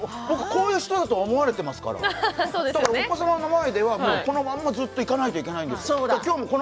こういう人だと思われていますからお子様の前ではずっとこのままでいかないといけないんです。